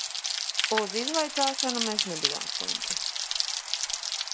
Uz izvaicāšanu mēs nebijām slinki.